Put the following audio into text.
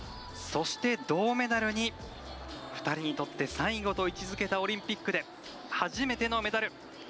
そして、銅メダルに２人にとって最後と位置づけたオリンピックで初めてのメダル。